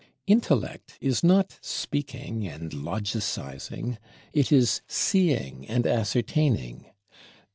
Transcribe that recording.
Intellect is not speaking and logicizing; it is seeing and ascertaining.